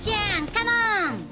カモン！